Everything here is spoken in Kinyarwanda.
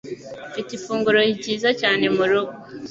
Mfite ifunguro ryiza cyane murugo.